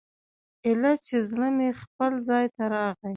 ايله چې زړه مې خپل ځاى ته راغى.